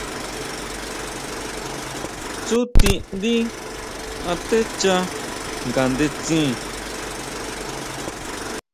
Tsutindí atecha ngandetsin.